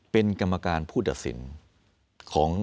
เป็นกรรมการผู้ดักศิลป์